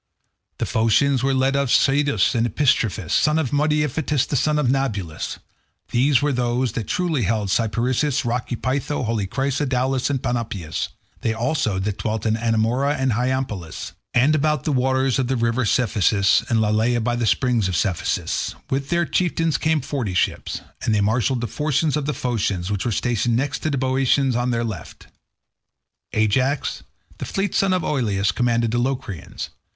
The Phoceans were led by Schedius and Epistrophus, sons of mighty Iphitus the son of Naubolus. These were they that held Cyparissus, rocky Pytho, holy Crisa, Daulis, and Panopeus; they also that dwelt in Anemorea and Hyampolis, and about the waters of the river Cephissus, and Lilaea by the springs of the Cephissus; with their chieftains came forty ships, and they marshalled the forces of the Phoceans, which were stationed next to the Boeotians, on their left. Ajax, the fleet son of Oileus, commanded the Locrians.